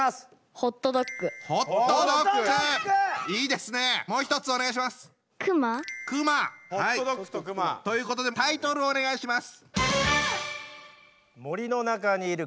ホットドッグとクマ。ということでタイトルをお願いします。